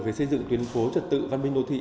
về xây dựng tuyến phố trật tự văn minh đô thị